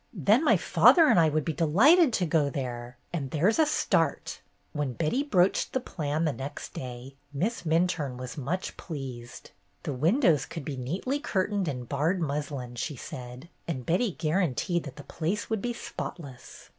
Then my father and I would be delighted to go there, and there 's a start." When Betty broached the plan the next day. Miss Minturne was much pleased. The win dows could be neatly curtained in barred muslin, she said, and Betty guaranteed that the place would be spotless.